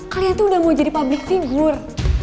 kalian tuh udah mau jadi public figure